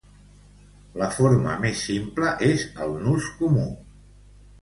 La forma més simple és el nus comú.